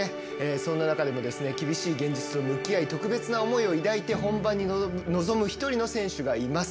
そんな中でも厳しい現実と向き合い特別な思いを抱いて本番に臨む選手がいます。